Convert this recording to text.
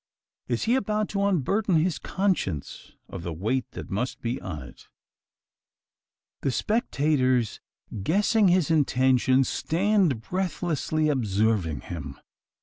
Is he about to unburden his conscience of the weight that must be on it? The spectators, guessing his intention, stand breathlessly observing him.